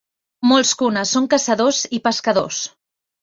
Molts Kuna són caçadors i pescadors.